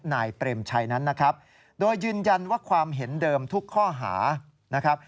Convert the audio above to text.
นายเปรมชัยนั้นนะครับโดยยืนยันว่าความเห็นเดิมทุกข้อหานะครับ